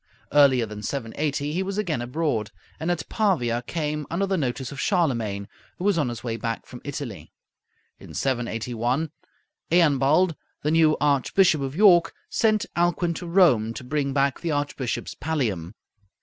Earlier than 780 he was again abroad, and at Pavia came under the notice of Charlemagne, who was on his way back from Italy. In 781 Eanbald, the new Archbishop of York, sent Alcuin to Rome to bring back the Archbishop's pallium.